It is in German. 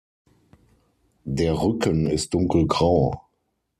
Der Rücken ist dunkelgrau.